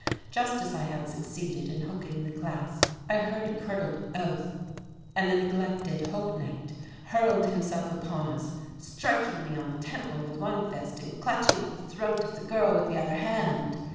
Just as I had succeeded in hooking the clasp, I heard a curdled oath and the neglected Holknecht hurled himself upon us, striking me on the temple with one fist and clutching at the throat of the girl with the other hand.